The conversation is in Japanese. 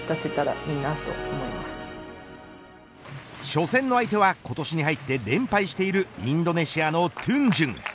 初戦の相手は今年に入って連敗しているインドネシアのトゥンジュン。